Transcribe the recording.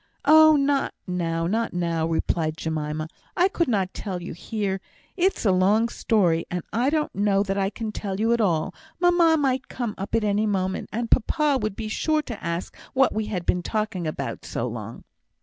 "Oh, not now not now," replied Jemima. "I could not tell you here. It's a long story, and I don't know that I can tell you at all. Mamma might come up at any moment, and papa would be sure to ask what we had been talking about so long."